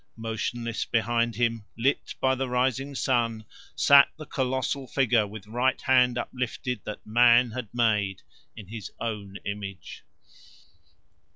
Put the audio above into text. Motionless behind him, lit by the rising sun, sat the colossal figure with right hand uplifted that man had made in his own image.